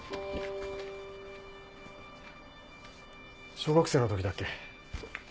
小学生のときだっけ。